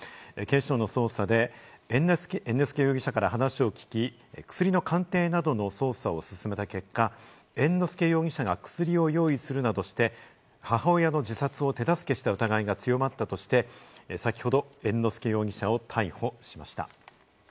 警視庁の捜査で猿之助容疑者から話を聞き、薬の鑑定などの捜査を進めた結果、猿之助容疑者が薬を用意するなどして、母親の自殺を手助けした疑いが強まったとして、先ほど猿之助容疑者を逮捕しました。